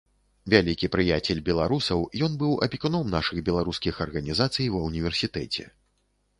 Вялікі прыяцель беларусаў, ён быў апекуном нашых беларускіх арганізацый ва ўніверсітэце.